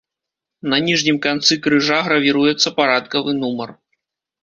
На ніжнім канцы крыжа гравіруецца парадкавы нумар.